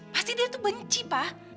pasti dia tuh benci pak